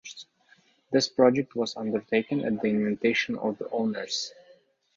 This project was undertaken at the invitation of the owners.